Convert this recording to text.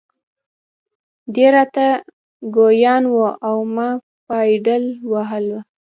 دی را ته ګویان و او ما پایډل واهه.